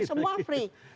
ya semua gratis